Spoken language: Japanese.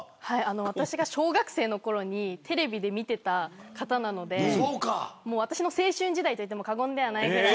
私が小学生のころにテレビで見ていた方なので私の青春時代といっても過言ではないぐらい。